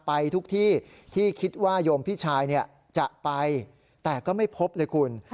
ไปทุกที่ที่คิดว่าโยมพี่ชายจะไปแต่ก็ไม่พบเลยคุณ